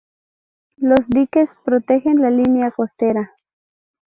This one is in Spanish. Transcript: Los diques protegen la línea costera.